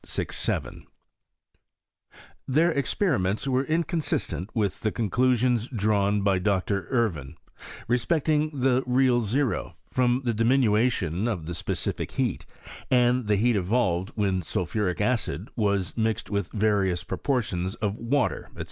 0 8167 Their experiments were inconsistent with the con tusions drawn by Dr. Irvine, respecting the real ero, from the diminution of the specific heat, and he heat evolved when sulphuric acid was mixed rith various proportions of water, &c.